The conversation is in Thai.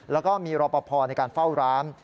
แล้วก็มีรอบประพอบ์ในการเฝ้าร้าน